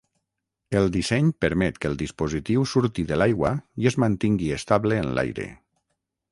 El disseny permet que el dispositiu surti de l'aigua i es mantingui estable en l'aire.